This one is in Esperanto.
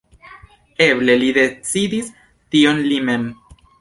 Eble li decidis tion li mem.